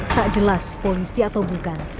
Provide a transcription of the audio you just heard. tak jelas polisi atau bukan